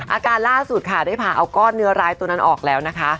อาการล่าสุดค่ะได้ผ่าเอาก้อนเนื้อร้ายตัวนั้นออกแล้วนะคะ